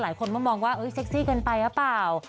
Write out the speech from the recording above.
หลายคนก็มองว่าเซ็กซี่เกินไปหรือเปล่า